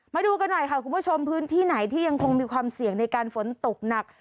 มาดูกันหน่อยค่ะคุณผู้ชมพื้นที่ไหนที่ยังคงมีความเสี่ยงในการฝนตกหนัก